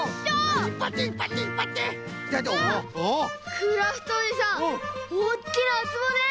クラフトおじさんおっきなウツボです！